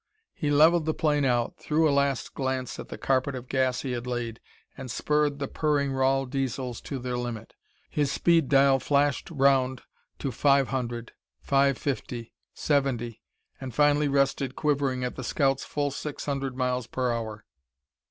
He levelled the plane out, threw a last glance at the carpet of gas he had laid, and spurred the purring Rahl Diesels to their limit. His speed dial flashed round to five hundred, five fifty seventy and finally rested, quivering, at the scout's full six hundred miles per hour.